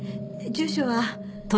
住所は。